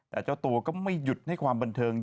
แต่เจ้าตัวก็ไม่หยุดให้ความบันเทิง